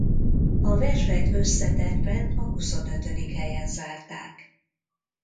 A versenyt összetettben a huszonötödik helyen zárták.